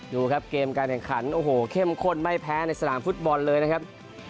ดูครับเกมการแข่งขันโอ้โหเข้มข้นไม่แพ้ในสนามฟุตบอลเลยนะครับ